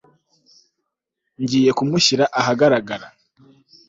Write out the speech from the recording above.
ngiye kumushyira ahagaragara